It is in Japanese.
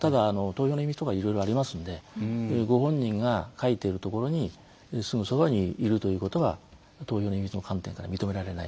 ただ、いろいろありますのでご本人が書いているところにすぐそばにいるということは投票の観点から認められないと。